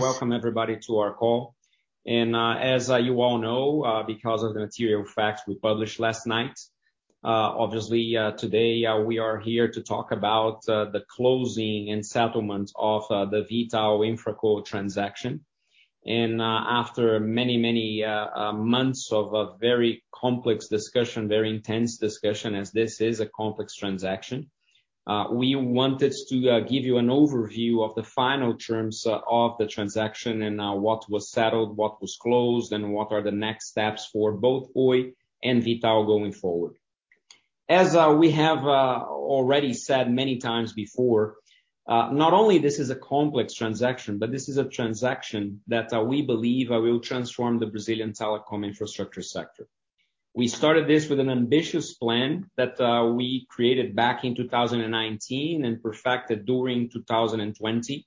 Welcome everybody to our call. As you all know, because of the material facts we published last night, obviously, today we are here to talk about the closing and settlement of the V.tal/InfraCo transaction. After many months of a very complex discussion, very intense discussion, as this is a complex transaction, we wanted to give you an overview of the final terms of the transaction and what was settled, what was closed, and what are the next steps for both Oi and V.tal going forward. As we have already said many times before, not only this is a complex transaction, but this is a transaction that we believe will transform the Brazilian telecom infrastructure sector. We started this with an ambitious plan that we created back in 2019 and perfected during 2020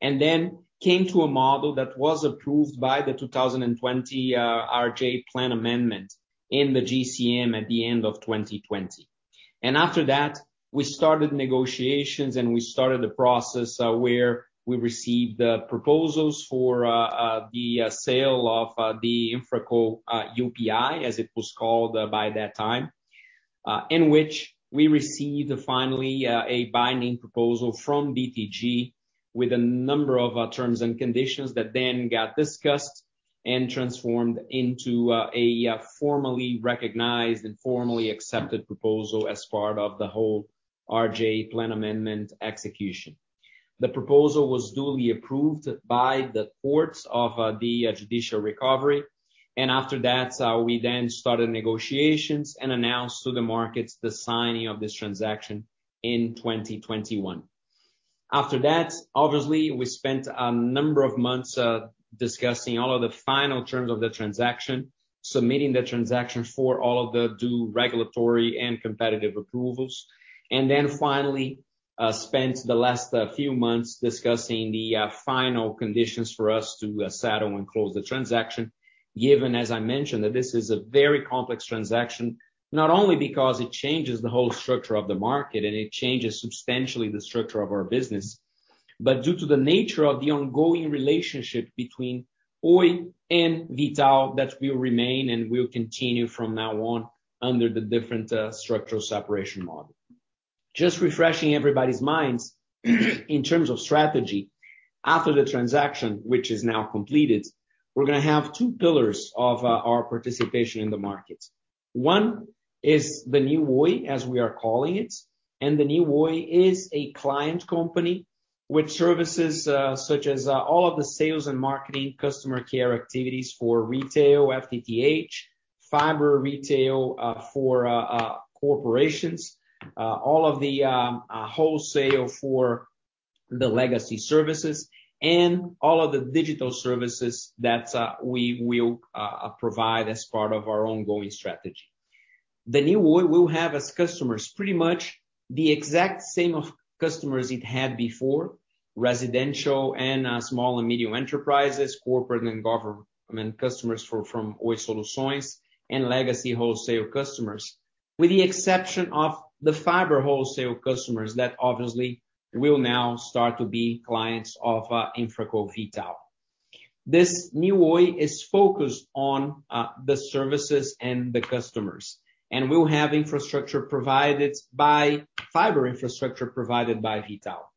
and then came to a model that was approved by the 2020 RJ plan amendment in the GCM at the end of 2020. After that, we started negotiations and we started the process where we received proposals for the sale of the InfraCo UPI, as it was called by that time, in which we received finally a binding proposal from BTG with a number of terms and conditions that then got discussed and transformed into a formally recognized and formally accepted proposal as part of the whole RJ plan amendment execution. The proposal was duly approved by the courts of the judicial recovery, and after that, we then started negotiations and announced to the markets the signing of this transaction in 2021. After that, obviously, we spent a number of months discussing all of the final terms of the transaction, submitting the transaction for all of the due regulatory and competitive approvals. Finally, spent the last few months discussing the final conditions for us to settle and close the transaction. Given, as I mentioned, that this is a very complex transaction, not only because it changes the whole structure of the market and it changes substantially the structure of our business, but due to the nature of the ongoing relationship between Oi and V.tal that will remain and will continue from now on under the different structural separation model. Just refreshing everybody's minds in terms of strategy. After the transaction, which is now completed, we're gonna have two pillars of our participation in the market. One is the new Oi, as we are calling it, and the new Oi is a client company with services such as all of the sales and marketing customer care activities for retail, FTTH, fiber retail, for corporations, all of the wholesale for the legacy services and all of the digital services that we will provide as part of our ongoing strategy. The new Oi will have as customers pretty much the exact same customers it had before, residential and small and medium enterprises, corporate and government customers from Oi Soluções, and legacy wholesale customers. With the exception of the fiber wholesale customers, that obviously will now start to be clients of InfraCo V.tal. This new Oi is focused on the services and the customers and will have fiber infrastructure provided by V.tal.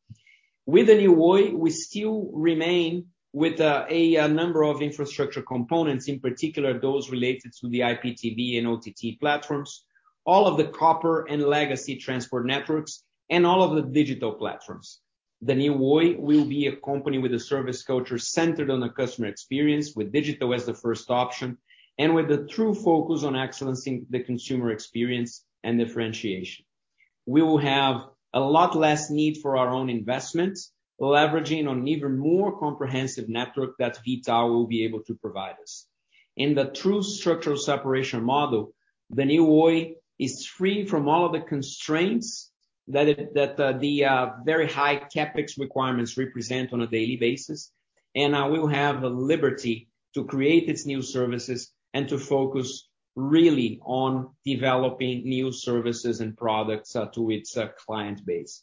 With the new Oi, we still remain with a number of infrastructure components, in particular, those related to the IPTV and OTT platforms, all of the copper and legacy transport networks, and all of the digital platforms. The new Oi will be a company with a service culture centered on the customer experience, with digital as the first option, and with a true focus on excelling the consumer experience and differentiation. We will have a lot less need for our own investments, leveraging on even more comprehensive network that V.tal will be able to provide us. In the true structural separation model, the new Oi is free from all of the constraints that the very high CapEx requirements represent on a daily basis, and we will have the liberty to create its new services and to focus really on developing new services and products to its client base.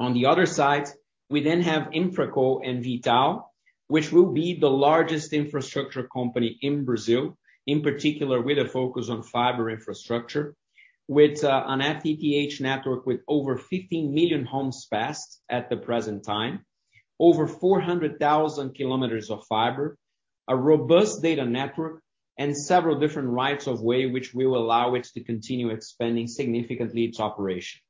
On the other side, we then have InfraCo and V.tal, which will be the largest infrastructure company in Brazil, in particular with a focus on fiber infrastructure, with an FTTH network with over 15 million homes passed at the present time, over 400,000 kilometers of fiber, a robust data network, and several different rights of way which will allow it to continue expanding significantly its operation.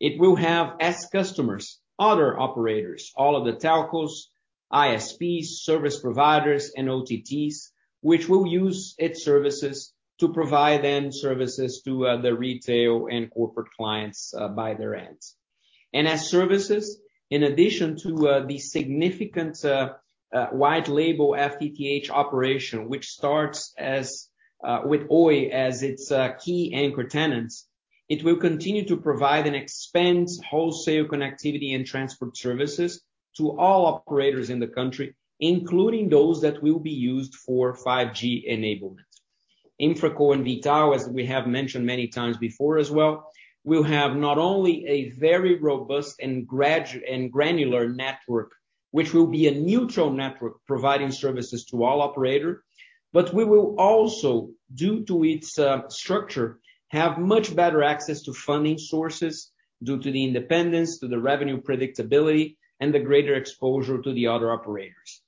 It will have, as customers, other operators, all of the telcos, ISPs, service providers, and OTTs, which will use its services to provide them services to the retail and corporate clients by their ends. As services, in addition to the significant white label FTTH operation, which starts with Oi as its key anchor tenants, it will continue to provide and expand wholesale connectivity and transport services to all operators in the country, including those that will be used for 5G enablement. InfraCo and V.tal, as we have mentioned many times before as well, will have not only a very robust and granular network, which will be a neutral network providing services to all operator, but we will also, due to its structure, have much better access to funding sources due to the independence, to the revenue predictability and the greater exposure to the other operators.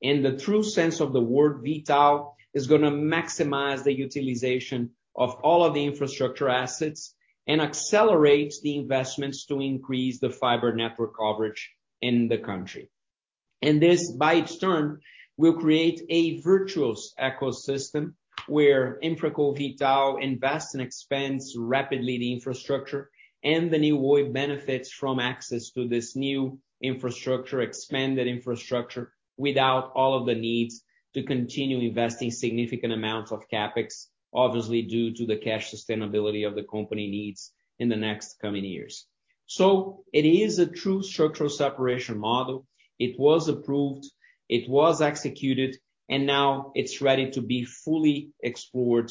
In the true sense of the word, V.tal is gonna maximize the utilization of all of the infrastructure assets and accelerate the investments to increase the fiber network coverage in the country. This, in turn, will create a virtuous ecosystem where InfraCo, V.tal invests and expands rapidly the infrastructure and the new Oi benefits from access to this new infrastructure, expanded infrastructure, without all of the needs to continue investing significant amounts of CapEx, obviously, due to the cash sustainability of the company needs in the next coming years. It is a true structural separation model. It was approved, it was executed, and now it's ready to be fully explored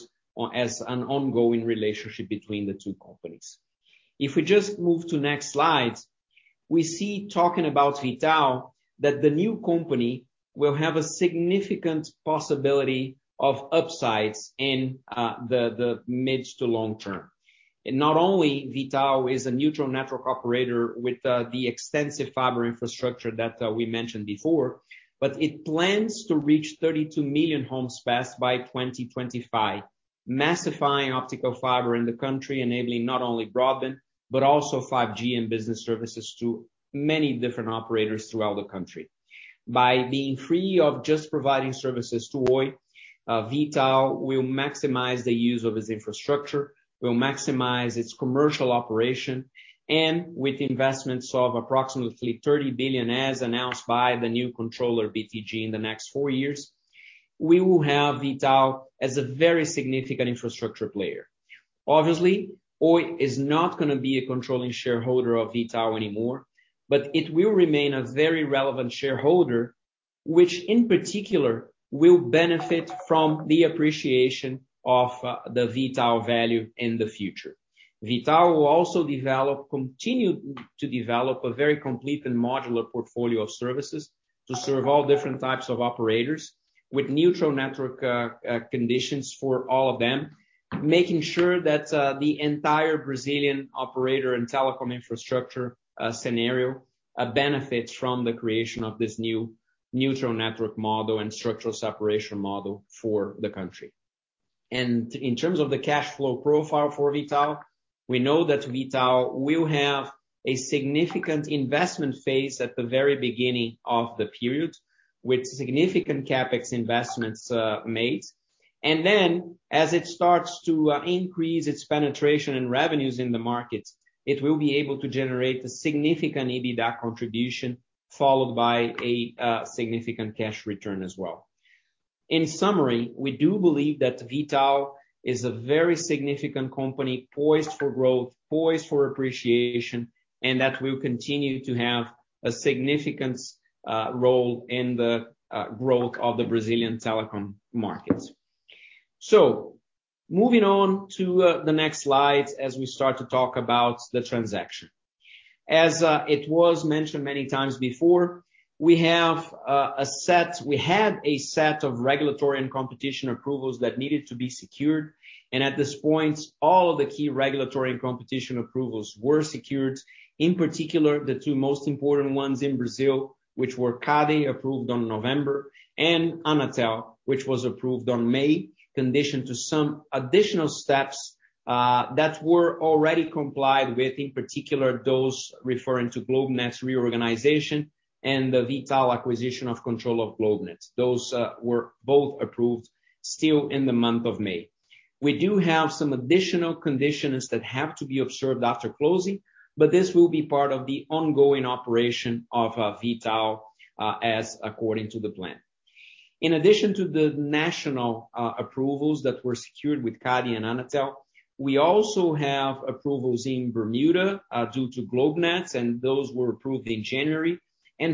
as an ongoing relationship between the two companies. If we just move to next slide. We're talking about V.tal, that the new company will have a significant possibility of upsides in the mid to long term. Not only V.tal is a neutral network operator with the extensive fiber infrastructure that we mentioned before, but it plans to reach 32 million homes passed by 2025, massifying optical fiber in the country, enabling not only broadband, but also 5G and business services to many different operators throughout the country. By being free of just providing services to Oi, V.tal will maximize the use of its infrastructure, will maximize its commercial operation, and with investments of approximately 30 billion, as announced by the new controller, BTG in the next four years, we will have V.tal as a very significant infrastructure player. Obviously, Oi is not gonna be a controlling shareholder of V.tal anymore, but it will remain a very relevant shareholder, which in particular will benefit from the appreciation of the V.tal value in the future. V.tal will also develop, continue to develop a very complete and modular portfolio of services to serve all different types of operators with neutral network conditions for all of them, making sure that the entire Brazilian operator and telecom infrastructure scenario benefits from the creation of this new neutral network model and structural separation model for the country. In terms of the cash flow profile for V.tal, we know that V.tal will have a significant investment phase at the very beginning of the period, with significant CapEx investments made. As it starts to increase its penetration and revenues in the markets, it will be able to generate a significant EBITDA contribution, followed by a significant cash return as well. In summary, we do believe that V.tal is a very significant company poised for growth, poised for appreciation, and that will continue to have a significant role in the growth of the Brazilian telecom markets. Moving on to the next slide as we start to talk about the transaction. As it was mentioned many times before, we had a set of regulatory and competition approvals that needed to be secured, and at this point, all of the key regulatory and competition approvals were secured. In particular, the two most important ones in Brazil, which were CADE, approved on November, and Anatel, which was approved on May, conditioned to some additional steps, that were already complied with, in particular those referring to GlobeNet's reorganization and the V.tal acquisition of control of GlobeNet. Those were both approved still in the month of May. We do have some additional conditions that have to be observed after closing, but this will be part of the ongoing operation of V.tal, as according to the plan. In addition to the national approvals that were secured with CADE and Anatel, we also have approvals in Bermuda, due to GlobeNet's, and those were approved in January.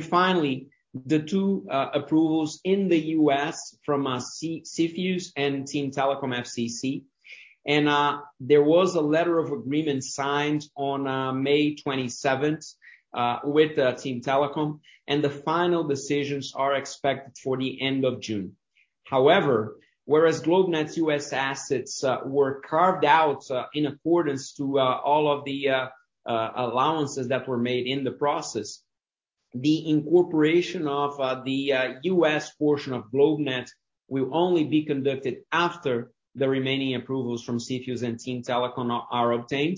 Finally, the two approvals in the U.S. from CFIUS and Team Telecom FCC. There was a letter of agreement signed on May 27th with Team Telecom, and the final decisions are expected for the end of June. However, whereas GlobeNet's U.S. assets were carved out in accordance to all of the allowances that were made in the process, the incorporation of the U.S. portion of GlobeNet will only be conducted after the remaining approvals from CFIUS and Team Telecom are obtained.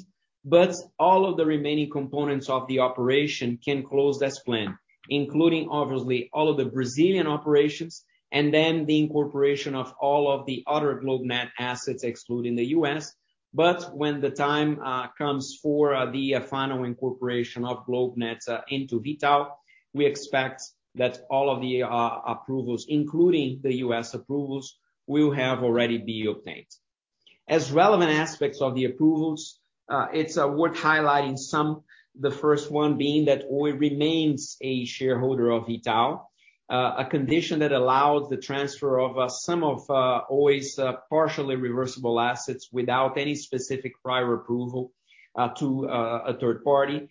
All of the remaining components of the operation can close as planned, including obviously all of the Brazilian operations and then the incorporation of all of the other GlobeNet assets excluding the U.S. When the time comes for the final incorporation of GlobeNet into V.tal, we expect that all of the approvals, including the U.S. approvals, will have already been obtained. As relevant aspects of the approvals, it's worth highlighting some, the first one being that Oi remains a shareholder of V.tal, a condition that allows the transfer of some of Oi's partially reversible assets without any specific prior approval to a third party.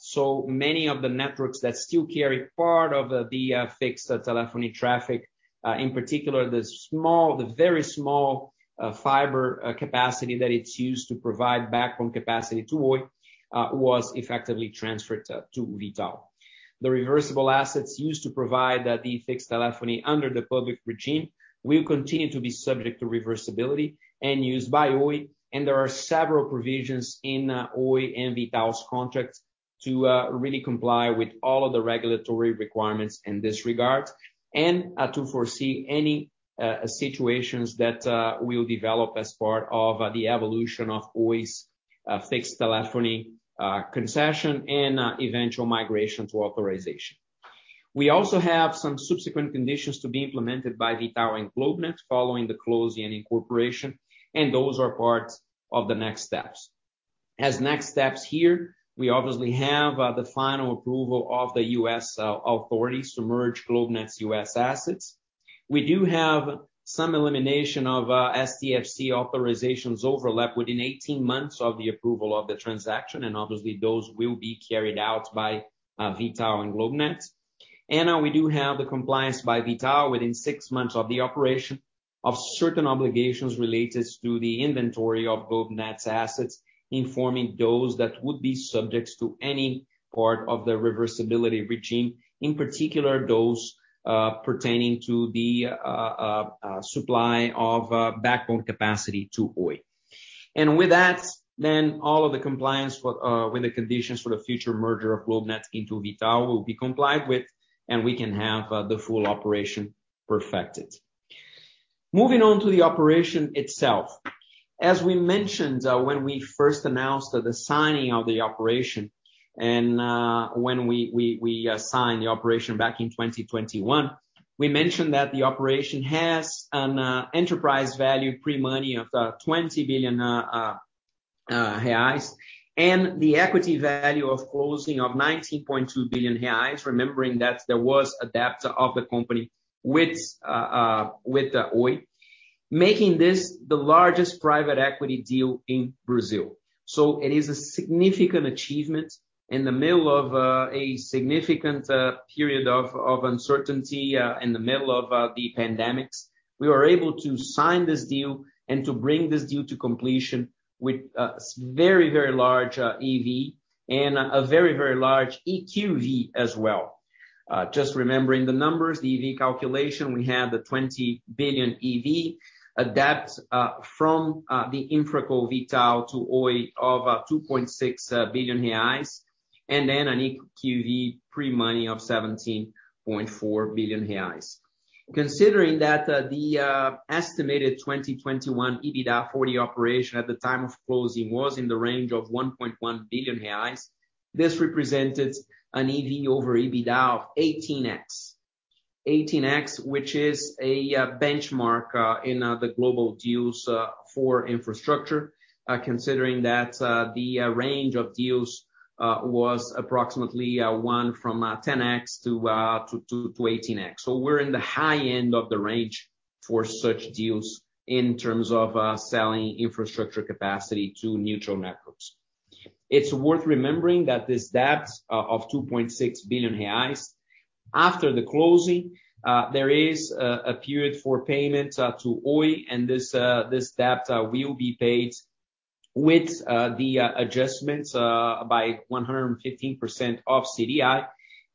So many of the networks that still carry part of the fixed telephony traffic, in particular the very small fiber capacity that it's used to provide backbone capacity to Oi, was effectively transferred to V.tal. The reversible assets used to provide the fixed telephony under the public regime will continue to be subject to reversibility and used by Oi, and there are several provisions in Oi and V.tal's contract to really comply with all of the regulatory requirements in this regard, and to foresee any situations that will develop as part of the evolution of Oi's fixed telephony concession and eventual migration to authorization. We also have some subsequent conditions to be implemented by V.tal and GlobeNet following the closing and incorporation, and those are parts of the next steps. As next steps here, we obviously have the final approval of the U.S. authorities to merge GlobeNet's U.S. assets. We do have some elimination of STFC authorizations overlap within 18 months of the approval of the transaction, and obviously, those will be carried out by V.tal and GlobeNet. We do have the compliance by V.tal within six months of the operation of certain obligations related to the inventory of both nets' assets, informing those that would be subject to any part of the reversibility regime, in particular, those pertaining to the supply of backbone capacity to Oi. With that, then all of the compliance for with the conditions for the future merger of GlobeNet into V.tal will be complied with, and we can have the full operation perfected. Moving on to the operation itself. As we mentioned, when we first announced the signing of the operation and when we signed the operation back in 2021, we mentioned that the operation has an enterprise value pre-money of 20 billion reais and the equity value of closing of 19.2 billion reais, remembering that there was a debt of the company with Oi. Making this the largest private equity deal in Brazil. It is a significant achievement in the middle of a significant period of uncertainty in the middle of the pandemic. We were able to sign this deal and to bring this deal to completion with a very very large EV and a very very large EQV as well. Just remembering the numbers, the EV calculation, we have the 20 billion EV, a debt from the InfraCo V.tal to Oi of 2.6 billion reais, and then an EQV pre-money of 17.4 billion reais. Considering that, the estimated 2021 EBITDA for the operation at the time of closing was in the range of 1.1 billion reais, this represented an EV over EBITDA of 18x. 18x, which is a benchmark in the global deals for infrastructure, considering that, the range of deals was approximately from 10x-18x. We're in the high end of the range for such deals in terms of selling infrastructure capacity to neutral networks. It's worth remembering that this debt of 2.6 billion reais, after the closing, there is a period for payment to Oi, and this debt will be paid with the adjustments by 115% of CDI,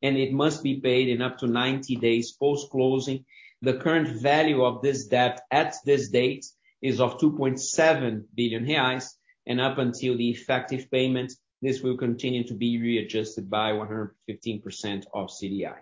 and it must be paid in up to 90 days post-closing. The current value of this debt at this date is 2.7 billion reais, and up until the effective payment, this will continue to be readjusted by 115% of CDI.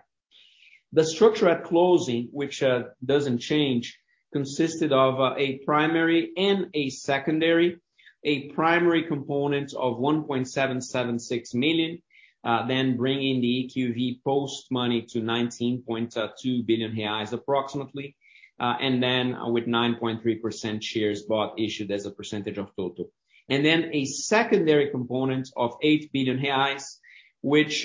The structure at closing, which doesn't change, consisted of a primary and a secondary. A primary component of 1.776 million, then bringing the EQV post-money to 19.2 billion reais, approximately. with 9.3% shares bought, issued as a percentage of total. A secondary component of 8 billion reais, which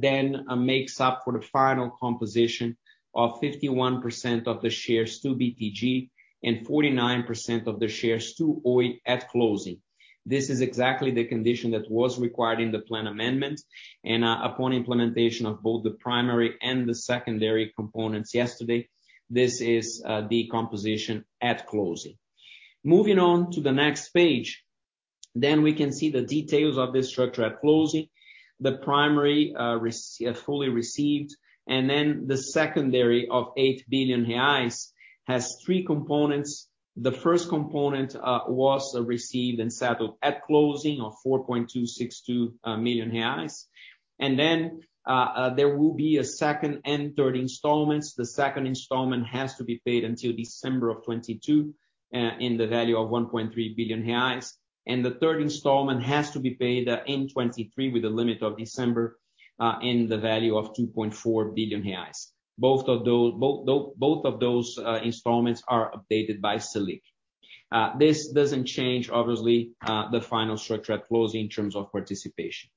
then makes up for the final composition of 51% of the shares to BTG and 49% of the shares to Oi at closing. This is exactly the condition that was required in the plan amendment and, upon implementation of both the primary and the secondary components yesterday, this is the composition at closing. Moving on to the next page, we can see the details of this structure at closing. The primary fully received, and the secondary of 8 billion reais has three components. The first component was received and settled at closing of 4.262 million reais. There will be a second and third installments. The second installment has to be paid until December 2022 in the value of 1.3 billion reais. The third installment has to be paid in 2023 with a limit of December in the value of 2.4 billion reais. Both of both of those installments are updated by Selic. This doesn't change, obviously, the final structure at closing in terms of participation.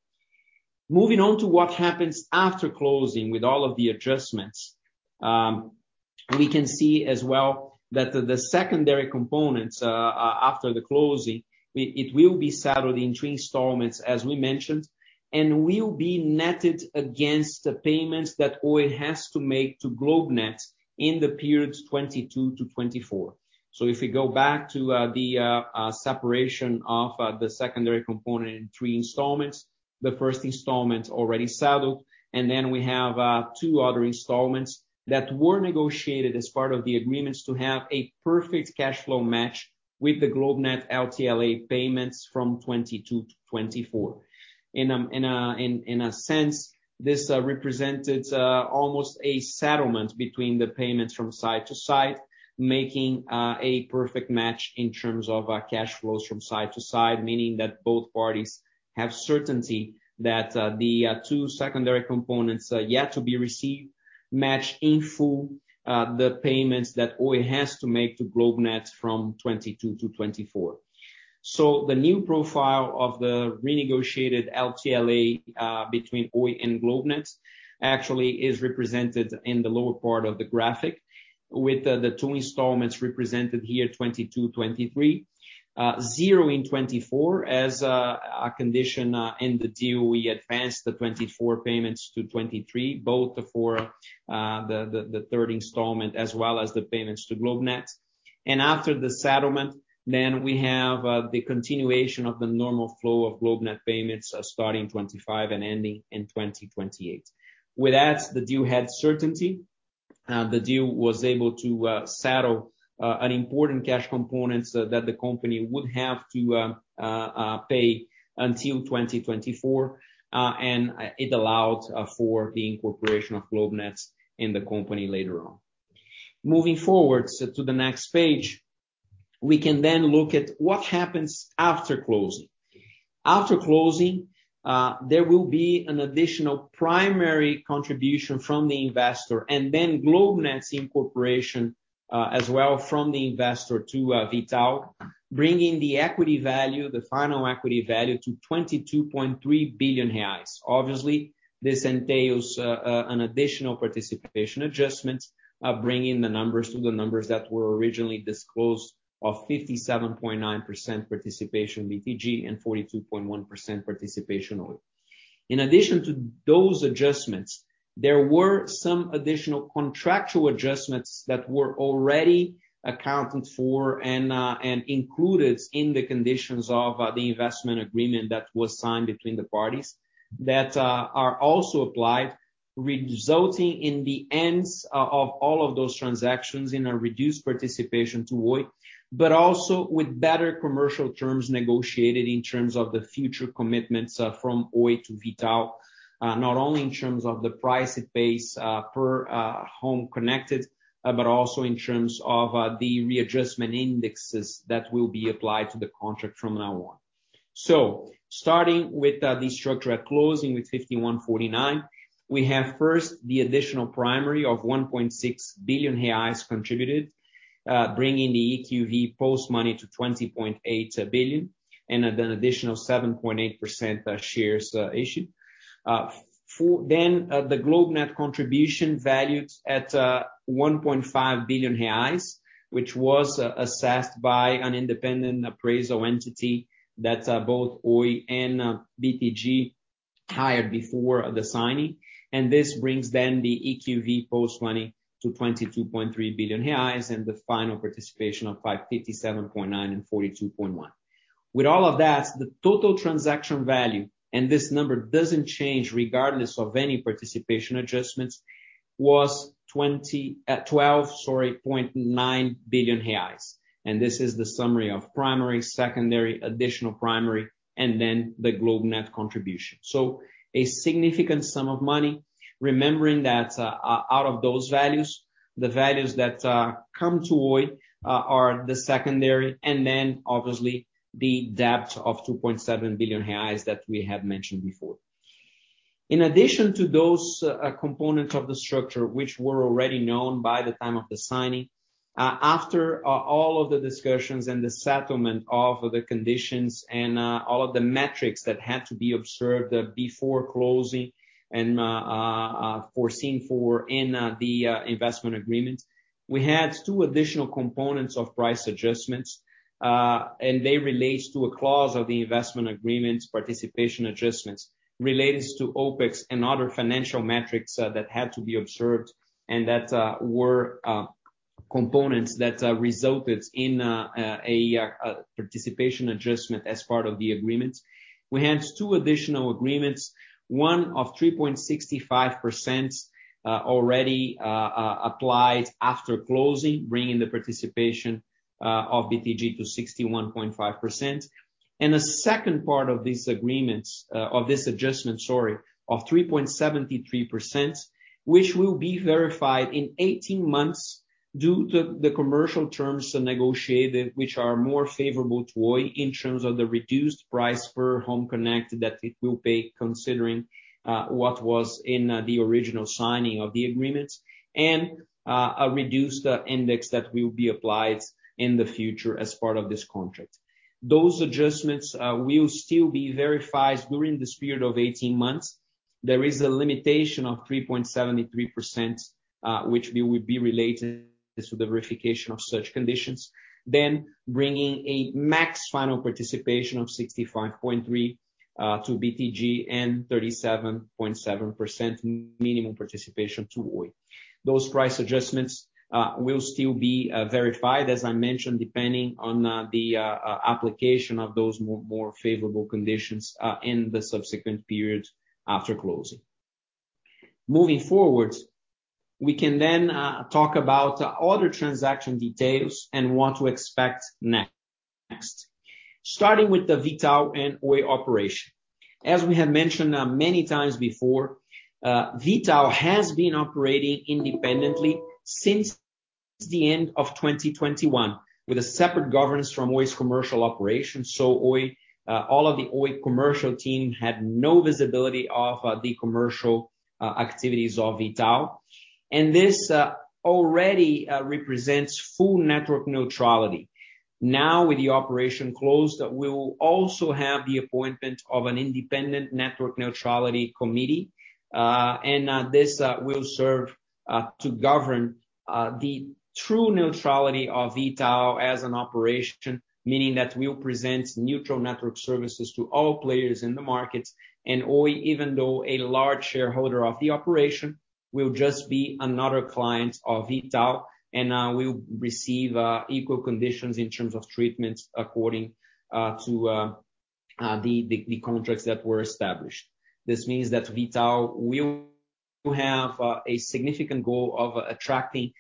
Moving on to what happens after closing with all of the adjustments. We can see as well that the secondary components after the closing, it will be settled in two installments, as we mentioned, and will be netted against the payments that Oi has to make to GlobeNet in the periods 2022-2024. If we go back to the separation of the secondary component in three installments. The first installment already settled, and then we have two other installments that were negotiated as part of the agreements to have a perfect cash flow match with the GlobeNet LTLE payments from 2022-2024. In a sense, this represented almost a settlement between the payments from side to side, making a perfect match in terms of cash flows from side to side. Meaning that both parties have certainty that the two secondary components yet to be received match in full the payments that Oi has to make to GlobeNet from 2022-2024. The new profile of the renegotiated LTLE between Oi and GlobeNet actually is represented in the lower part of the graphic. With the two installments represented here, 2022, 2023. Zero in 2024 as a condition in the deal, we advanced the 2024 payments to 2023, both for the third installment as well as the payments to GlobeNet. After the settlement, we have the continuation of the normal flow of GlobeNet payments starting in 2025 and ending in 2028. With that, the deal had certainty. The deal was able to settle an important cash component that the company would have to pay until 2024. It allowed for the incorporation of GlobeNet in the company later on. Moving forward to the next page, we can then look at what happens after closing. After closing, there will be an additional primary contribution from the investor and then GlobeNet's incorporation, as well from the investor to V.tal. Bringing the equity value, the final equity value to 22.3 billion reais. Obviously, this entails an additional participation adjustment of bringing the numbers to the numbers that were originally disclosed of 57.9% participation BTG and 42.1% participation Oi. In addition to those adjustments, there were some additional contractual adjustments that were already accounted for and included in the conditions of the investment agreement that was signed between the parties. That are also applied, resulting in the ends of all of those transactions in a reduced participation to Oi, but also with better commercial terms negotiated in terms of the future commitments from Oi to V.tal. Not only in terms of the price it pays per home connected, but also in terms of the readjustment indexes that will be applied to the contract from now on. Starting with the structure at closing with 51-49, we have first the additional primary of 1.6 billion reais contributed, bringing the EQV post money to 20.8 billion and an additional 7.8% shares issued. The GlobeNet contribution valued at 1.5 billion reais, which was assessed by an independent appraisal entity that both Oi and BTG hired before the signing. This brings the EQV post money to 22.3 billion reais and the final participation of 557.9 and 42.1. With all of that, the total transaction value, and this number doesn't change regardless of any participation adjustments, was twelve point nine billion reais. This is the summary of primary, secondary, additional primary, and the GlobeNet contribution. A significant sum of money, remembering that out of those values, the values that come to Oi are the secondary, and then obviously the debt of 2.7 billion reais that we have mentioned before. In addition to those components of the structure which were already known by the time of the signing. After all of the discussions and the settlement of the conditions and all of the metrics that had to be observed before closing and provided for in the investment agreement. We had two additional components of price adjustments, and they relates to a clause of the investment agreement participation adjustments relates to OpEx and other financial metrics that had to be observed. That were components that resulted in a participation adjustment as part of the agreement. We had two additional agreements. One of 3.65%, already applied after closing, bringing the participation of BTG to 61.5%. The second part of these agreements of 3.73%, which will be verified in 18 months. Due to the commercial terms negotiated, which are more favorable to Oi in terms of the reduced price per home connect that it will pay considering what was in the original signing of the agreements and a reduced index that will be applied in the future as part of this contract. Those adjustments will still be verified during this period of 18 months. There is a limitation of 3.73%, which will be related to the verification of such conditions, then bringing a max final participation of 65.3 to BTG and 37.7% minimum participation to Oi. Those price adjustments will still be verified, as I mentioned, depending on the application of those more favorable conditions in the subsequent periods after closing. Moving forward, we can then talk about other transaction details and what to expect next. Starting with the V.tal and Oi operation. As we have mentioned many times before, V.tal has been operating independently since the end of 2021, with a separate governance from Oi's commercial operation. Oi, all of the Oi commercial team had no visibility of the commercial activities of V.tal. This already represents full network neutrality. Now with the operation closed, we will also have the appointment of an independent network neutrality committee. This will serve to govern the true neutrality of V.tal as an operation, meaning that we'll present neutral network services to all players in the markets. Oi, even though a large shareholder of the operation, will just be another client of V.tal, and we'll receive equal conditions in terms of treatments according to the contracts that were established. This means that V.tal will have a significant goal of attracting,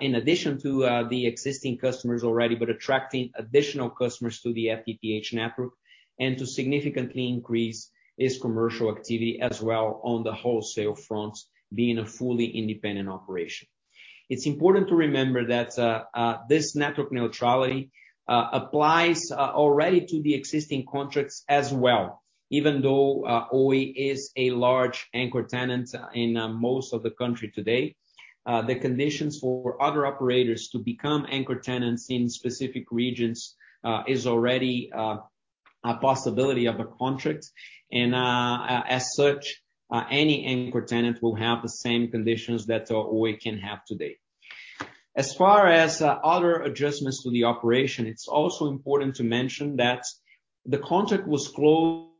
in addition to the existing customers already, but attracting additional customers to the FTTH network and to significantly increase its commercial activity as well on the wholesale front, being a fully independent operation. It's important to remember that this network neutrality applies already to the existing contracts as well. Even though, Oi is a large anchor tenant in, most of the country today, the conditions for other operators to become anchor tenants in specific regions, is already, a possibility of a contract. As such, any anchor tenant will have the same conditions that, Oi can have today. As far as, other adjustments to the operation, it's also important to mention that the contract was closed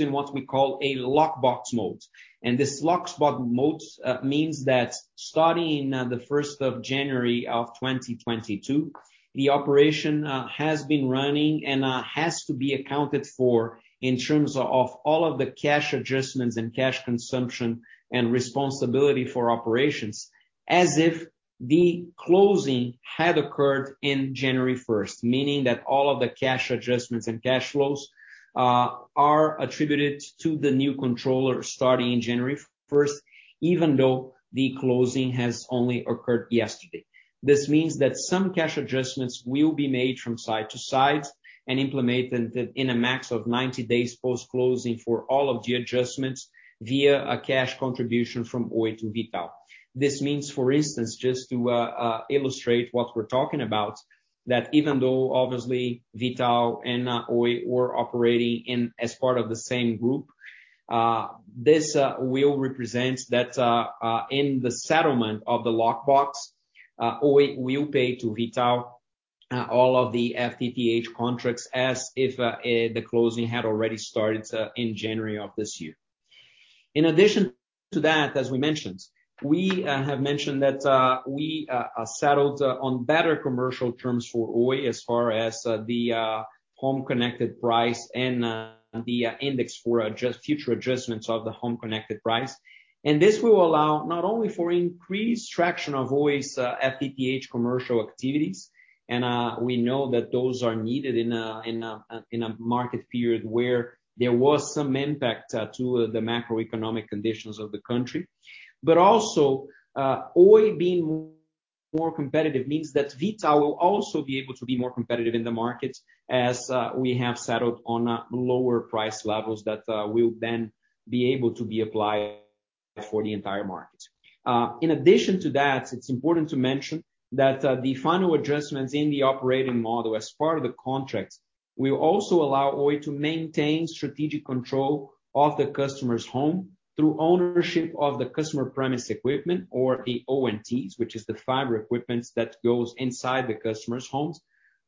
in what we call a locked box mode. This locked box mode, means that starting, the first of January of 2022, the operation, has been running, and has to be accounted for in terms of all of the cash adjustments and cash consumption and responsibility for operations, as if the closing had occurred in January 1st. Meaning that all of the cash adjustments and cash flows are attributed to the new controller starting January 1st, even though the closing has only occurred yesterday. This means that some cash adjustments will be made from side to side and implemented in a max of 90 days post-closing for all of the adjustments via a cash contribution from Oi to V.tal. This means, for instance, just to illustrate what we're talking about, that even though obviously V.tal and Oi were operating as part of the same group, this will represent that in the settlement of the locked box, Oi will pay to V.tal all of the FTTH contracts as if the closing had already started in January of this year. In addition to that, as we mentioned, we have mentioned that we settled on better commercial terms for Oi as far as the home connect price and the index for adjustment for future adjustments of the home connect price. This will allow not only for increased traction of Oi's FTTH commercial activities, and we know that those are needed in a market period where there was some impact to the macroeconomic conditions of the country. also, Oi being more competitive means that V.tal will also be able to be more competitive in the market as we have settled on lower price levels that will then be able to be applied for the entire market. In addition to that, it's important to mention that the final adjustments in the operating model as part of the contract will also allow Oi to maintain strategic control of the customer's home through ownership of the customer premise equipment or the ONTs, which is the fiber equipments that goes inside the customer's homes,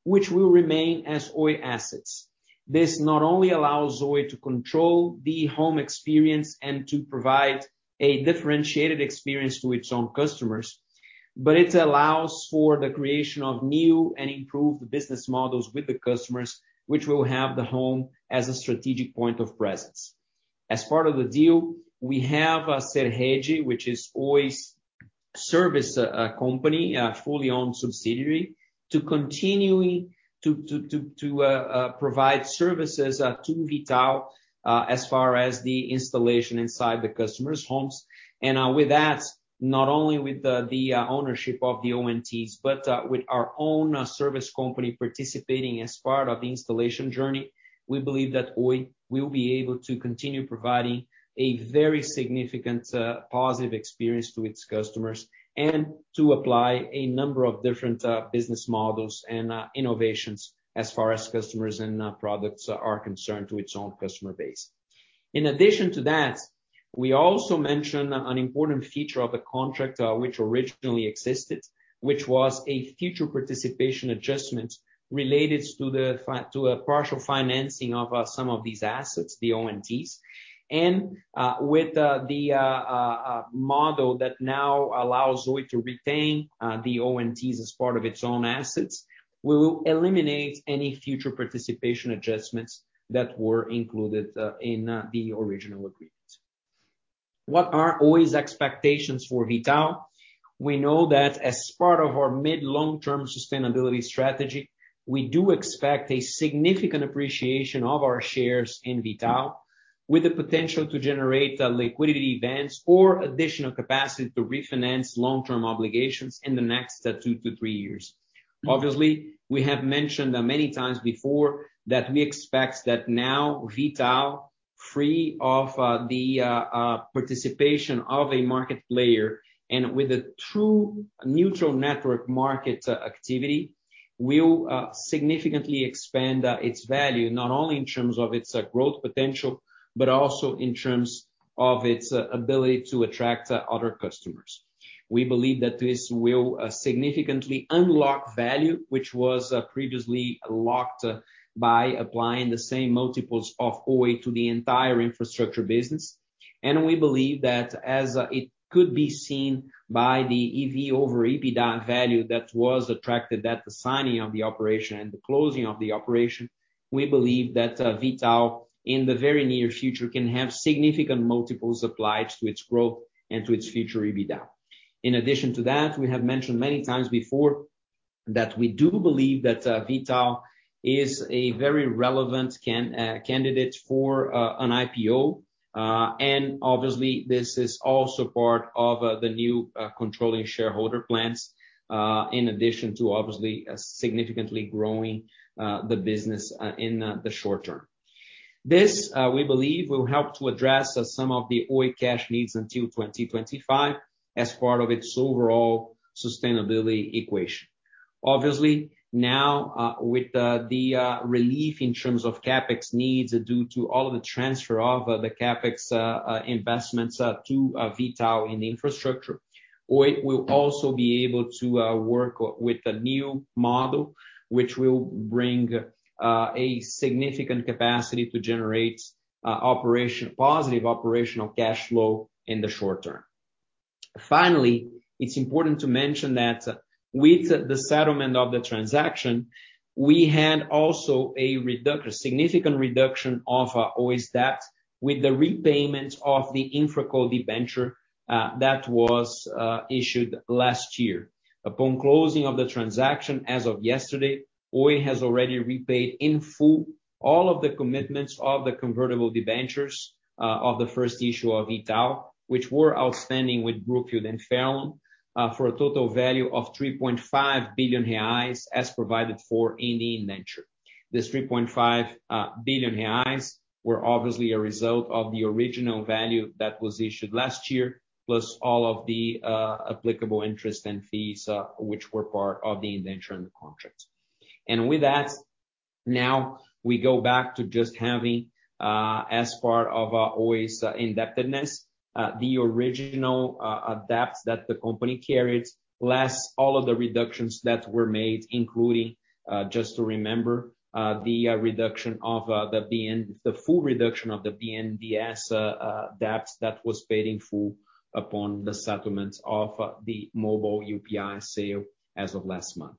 which will remain as Oi assets. This not only allows Oi to control the home experience and to provide a differentiated experience to its own customers, but it allows for the creation of new and improved business models with the customers, which will have the home as a strategic point of presence. As part of the deal, we have Serede, which is Oi's service company, a fully owned subsidiary, to continue to provide services to V.tal as far as the installation inside the customer's homes. With that, not only with the ownership of the ONTs, but with our own service company participating as part of the installation journey, we believe that Oi will be able to continue providing a very significant positive experience to its customers and to apply a number of different business models and innovations as far as customers and products are concerned to its own customer base. In addition to that, we also mentioned an important feature of the contract, which originally existed, which was a future participation adjustment related to a partial financing of some of these assets, the ONTs. With the model that now allows Oi to retain the ONTs as part of its own assets, we will eliminate any future participation adjustments that were included in the original agreement. What are Oi's expectations for V.tal? We know that as part of our mid-long-term sustainability strategy, we do expect a significant appreciation of our shares in V.tal, with the potential to generate liquidity events or additional capacity to refinance long-term obligations in the next two-three years. Obviously, we have mentioned many times before that we expect that now V.tal, free of the participation of a market player and with a true neutral network market activity, will significantly expand its value, not only in terms of its growth potential, but also in terms of its ability to attract other customers. We believe that this will significantly unlock value, which was previously locked by applying the same multiples of Oi to the entire infrastructure business. We believe that as it could be seen by the EV over EBITDA value that was attracted at the signing of the operation and the closing of the operation, we believe that V.tal, in the very near future, can have significant multiples applied to its growth and to its future EBITDA. We have mentioned many times before that we do believe that V.tal is a very relevant candidate for an IPO. Obviously, this is also part of the new controlling shareholder plans, in addition to obviously significantly growing the business in the short term. This, we believe, will help to address some of the Oi cash needs until 2025 as part of its overall sustainability equation. Obviously, now, with the relief in terms of CapEx needs due to all of the transfer of the CapEx investments to V.tal in infrastructure, Oi will also be able to work with a new model, which will bring a significant capacity to generate positive operational cash flow in the short term. Finally, it's important to mention that with the settlement of the transaction, we had also a significant reduction of Oi's debt with the repayment of the InfraCo debenture that was issued last year. Upon closing of the transaction as of yesterday, Oi has already repaid in full all of the commitments of the convertible debentures of the first issue of V.tal, which were outstanding with Brookfield and Farallon for a total value of 3.5 billion reais as provided for in the indenture. This 3.5 billion reais were obviously a result of the original value that was issued last year, plus all of the applicable interest and fees which were part of the indenture and the contract. With that, now we go back to just having, as part of Oi's indebtedness, the original debt that the company carried, less all of the reductions that were made, including, just to remember, the full reduction of the BNDES debt that was paid in full upon the settlement of the Mobile Assets UPI sale as of last month.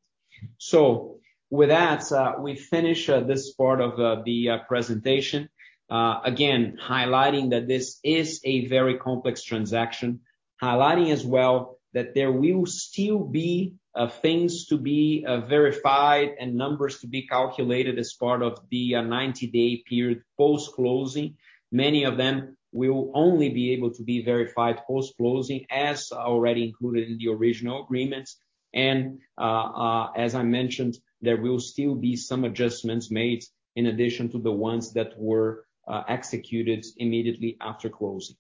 With that, we finish this part of the presentation. Again, highlighting that this is a very complex transaction. Highlighting as well that there will still be things to be verified and numbers to be calculated as part of the 90-day period post-closing. Many of them will only be able to be verified post-closing, as already included in the original agreement. As I mentioned, there will still be some adjustments made in addition to the ones that were executed immediately after closing.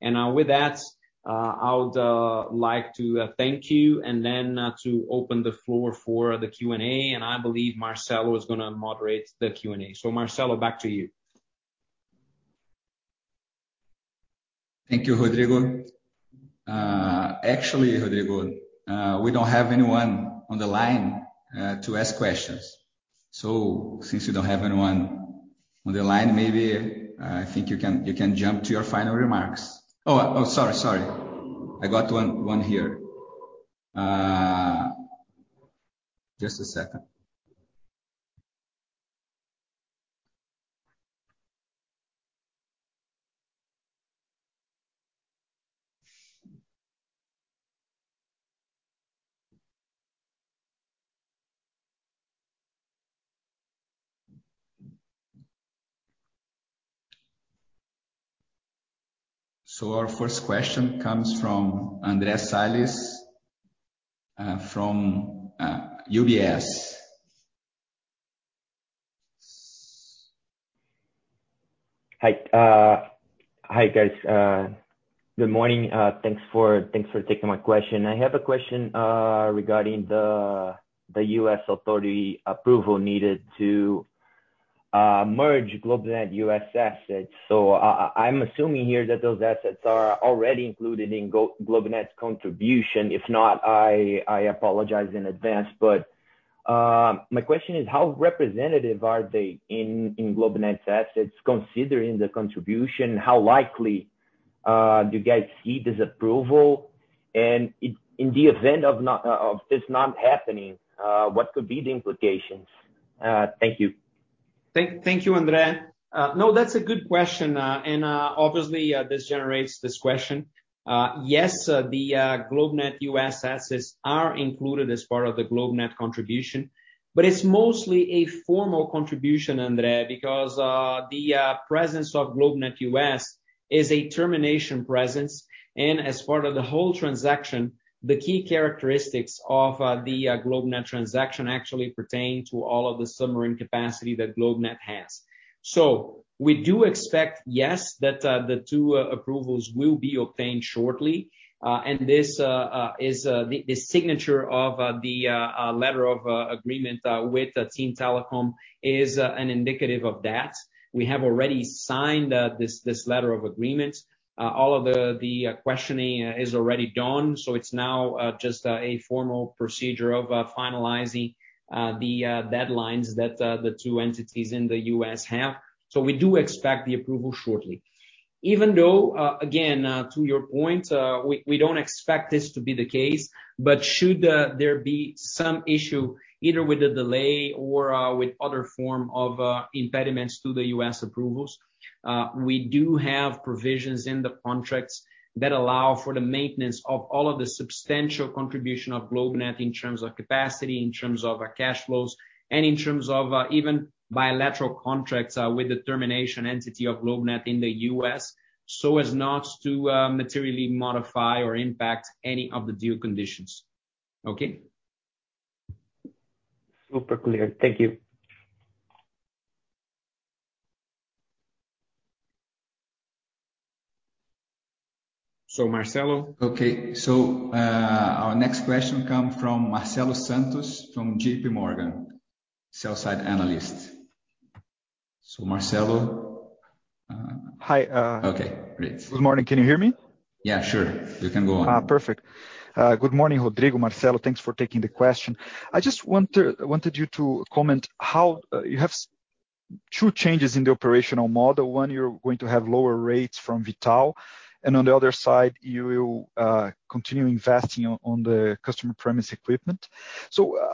With that, I would like to thank you and then to open the floor for the Q&A. I believe Marcelo is gonna moderate the Q&A. Marcelo, back to you. Thank you, Rodrigo. Actually, Rodrigo, we don't have anyone on the line to ask questions. Since we don't have anyone on the line, maybe I think you can jump to your final remarks. Oh, sorry. I got one here. Just a second. Our first question comes from Andrea Sales from UBS. Hi. Hi guys. Good morning. Thanks for taking my question. I have a question regarding the U.S. authority approval needed to merge GlobeNet U.S. assets. I'm assuming here that those assets are already included in GlobeNet's contribution. If not, I apologize in advance. My question is how representative are they in GlobeNet's assets, considering the contribution? How likely do you guys see this approval? In the event of this not happening, what could be the implications? Thank you. Thank you, Andrea. No, that's a good question. Obviously, this generates this question. Yes, the GlobeNet U.S. assets are included as part of the GlobeNet contribution, but it's mostly a formal contribution, Andrea, because the presence of GlobeNet U.S. is a token presence. As part of the whole transaction, the key characteristics of the GlobeNet transaction actually pertain to all of the submarine capacity that GlobeNet has. We do expect, yes, that the two approvals will be obtained shortly. This is the signature of the letter of agreement with Team Telecom, is an indicator of that. We have already signed this letter of agreement. All of the questioning is already done, so it's now just a formal procedure of finalizing the deadlines that the two entities in the U.S. have. We do expect the approval shortly. Even though, again, to your point, we don't expect this to be the case, but should there be some issue either with the delay or with other form of impediments to the U.S. approvals, we do have provisions in the contracts that allow for the maintenance of all of the substantial contribution of GlobeNet in terms of capacity, in terms of cash flows, and in terms of even bilateral contracts with the terminating entity of GlobeNet in the U.S., so as not to materially modify or impact any of the deal conditions. Okay. Super clear. Thank you. Marcelo. Okay. Our next question come from Marcelo Santos, from JPMorgan, Sell-side Analyst. Marcelo. Hi. Okay, great. Good morning. Can you hear me? Yeah, sure. You can go on. Perfect. Good morning, Rodrigo, Marcelo. Thanks for taking the question. I wanted you to comment how you have two changes in the operational model. One, you're going to have lower rates from V.tal, and on the other side, you will continue investing on the customer premises equipment.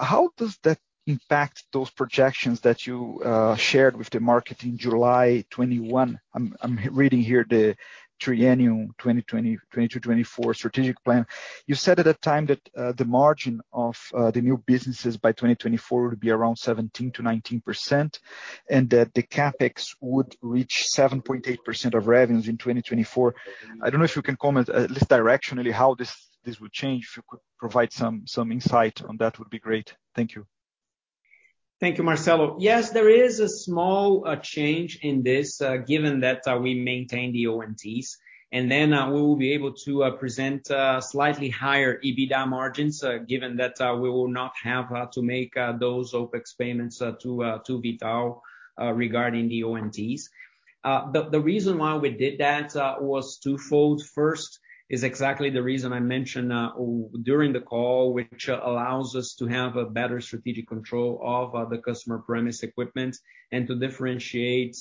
How does that impact those projections that you shared with the market in July 2021? I'm reading here the 2020-2024 strategic plan. You said at that time that the margin of the new businesses by 2024 would be around 17%-19%, and that the CapEx would reach 7.8% of revenues in 2024. I don't know if you can comment, at least directionally, how this would change. If you could provide some insight on that would be great. Thank you. Thank you, Marcelo. Yes, there is a small change in this, given that we maintain the ONTs, and then we will be able to present slightly higher EBITDA margins, given that we will not have to make those OpEx payments to V.tal regarding the ONTs. The reason why we did that was twofold. First, is exactly the reason I mentioned during the call, which allows us to have a better strategic control of the customer premise equipment and to differentiate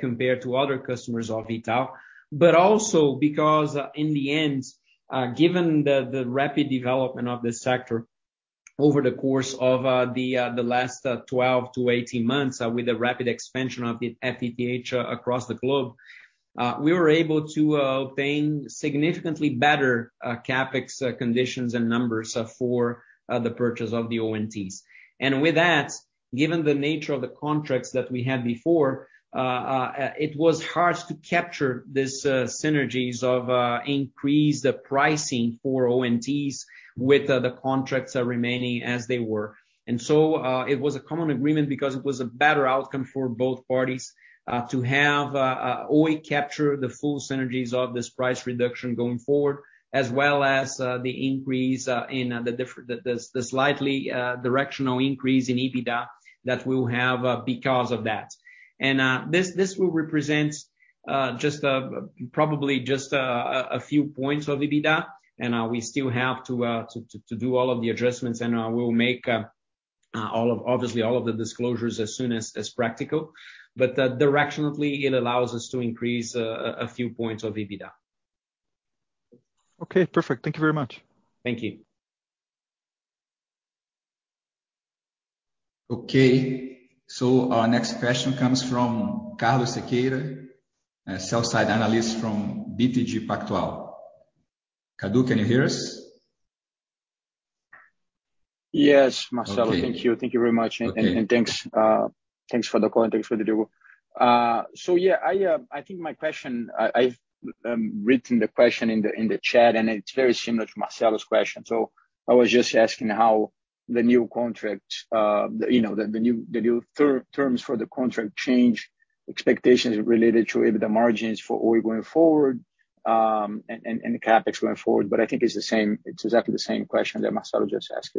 compared to other customers of V.tal. Also because, in the end, given the rapid development of this sector over the course of the last 12-18 months, with the rapid expansion of the FTTH across the globe, we were able to obtain significantly better CapEx conditions and numbers for the purchase of the ONTs. With that, given the nature of the contracts that we had before, it was hard to capture these synergies of increased pricing for ONTs with the contracts remaining as they were. It was a common agreement because it was a better outcome for both parties to have Oi capture the full synergies of this price reduction going forward, as well as the increase in the slightly directional increase in EBITDA that we'll have because of that. This will represent probably just a few points of EBITDA. We still have to do all of the adjustments, and we'll make obviously all of the disclosures as soon as practical. Directionally, it allows us to increase a few points of EBITDA. Okay, perfect. Thank you very much. Thank you. Okay. Our next question comes from Carlos Sequeira, a sell-side analyst from BTG Pactual. Cadu, can you hear us? Yes, Marcelo. Thank you. Thank you very much. Okay. Thanks for the call and thanks for the demo. I think my question, I've written the question in the chat, and it's very similar to Marcelo's question. I was just asking how the new contract, you know, the new terms for the contract change expectations related to EBITDA margins for Oi going forward, and the CapEx going forward. I think it's the same, it's exactly the same question that Marcelo just asked.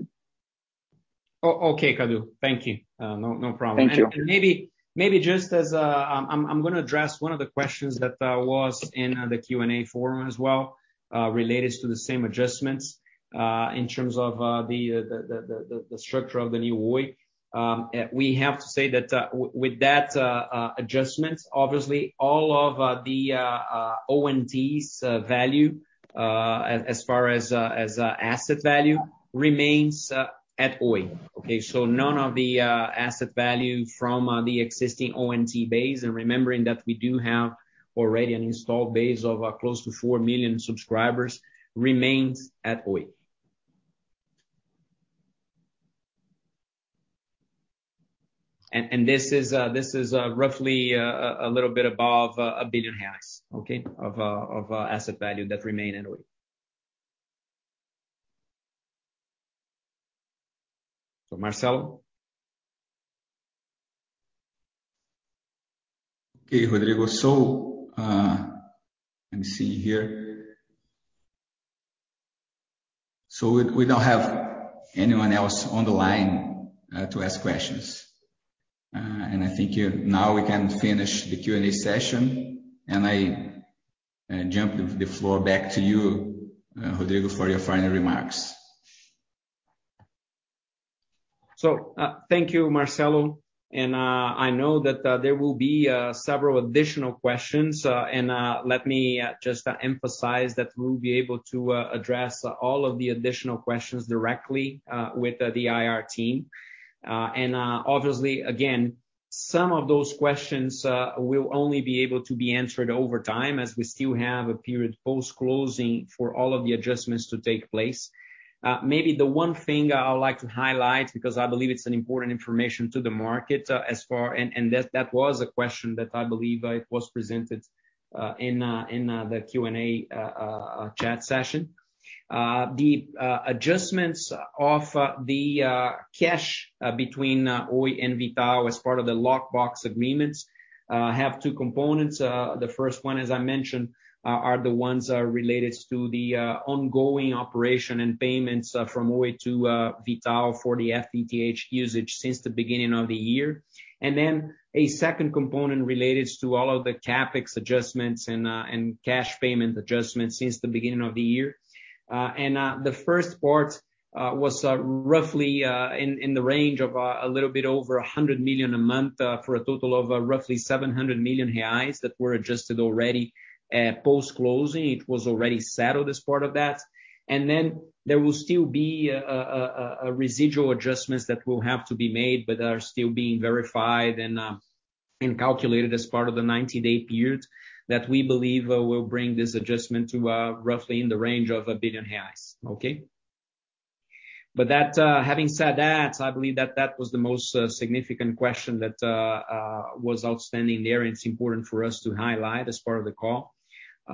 Okay, Cadu. Thank you. No problem. Thank you. Maybe just as a, I'm gonna address one of the questions that was in the Q&A forum as well, related to the same adjustments, in terms of the structure of the new Oi. We have to say that with that adjustment, obviously all of the ONTs value as far as asset value remains at Oi. Okay, none of the asset value from the existing ONT base and remembering that we do have already an installed base of close to 4 million subscribers, remains at Oi. This is roughly a little bit above 1 billion reais, okay? Of asset value that remain at Oi. Marcelo. Okay, Rodrigo. Let me see here. We don't have anyone else on the line to ask questions. I hand the floor back to you, Rodrigo, for your final remarks. Thank you, Marcelo. I know that there will be several additional questions and let me just emphasize that we'll be able to address all of the additional questions directly with the IR team. Obviously, again, some of those questions will only be able to be answered over time as we still have a period post-closing for all of the adjustments to take place. Maybe the one thing I would like to highlight, because I believe it's an important information to the market. That was a question that I believe it was presented in the Q&A chat session. The adjustments of the cash between Oi and V.tal as part of the locked box agreements have two components. The first one, as I mentioned, are the ones related to the ongoing operation and payments from Oi to V.tal for the FTTH usage since the beginning of the year. A second component related to all of the CapEx adjustments and cash payment adjustments since the beginning of the year. The first part was roughly in the range of a little bit over 100 million a month for a total of roughly 700 million reais that were adjusted already post-closing. It was already settled as part of that. Then there will still be residual adjustments that will have to be made but are still being verified and calculated as part of the 90-day period that we believe will bring this adjustment to roughly in the range of 1 billion reais. Okay. But that. Having said that, I believe that was the most significant question that was outstanding there, and it's important for us to highlight as part of the call.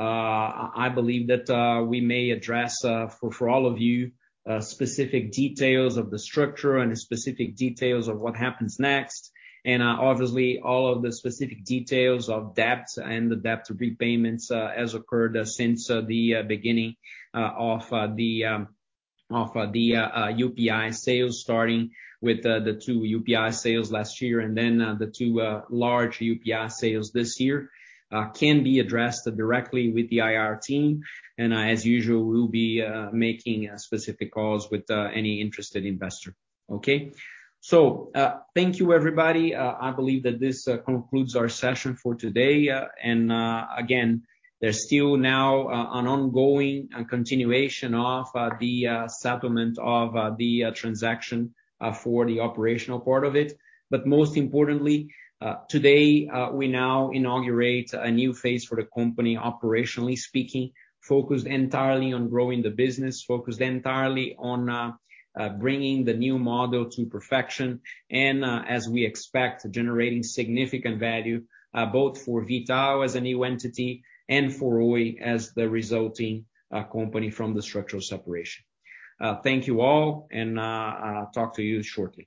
I believe that we may address for all of you specific details of the structure and the specific details of what happens next. Obviously, all of the specific details of debt and the debt repayments, as occurred since the beginning of the UPI sales, starting with the two UPI sales last year and then the two large UPI sales this year, can be addressed directly with the IR team. As usual, we'll be making specific calls with any interested investor. Okay. Thank you, everybody. I believe that this concludes our session for today. Again, there's still now an ongoing and continuation of the settlement of the transaction for the operational part of it. Most importantly, today, we now inaugurate a new phase for the company, operationally speaking, focused entirely on growing the business, bringing the new model to perfection, and, as we expect, generating significant value, both for V.tal as a new entity and for Oi as the resulting company from the structural separation. Thank you all, and, I'll talk to you shortly.